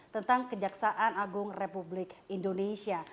tentang kejaksaan agung republik indonesia